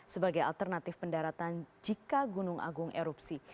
sebagai alternatif pendaratan jika gunung agung erupsi